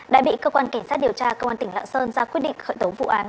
đã bị cơ quan cảnh sát điều tra công an tỉnh lạng sơn ra quyết định khởi tố vụ án